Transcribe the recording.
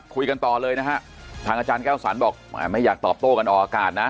คุยกันต่อเลยนะฮะทางอาจารย์แก้วสรรบอกไม่อยากตอบโต้กันออกอากาศนะ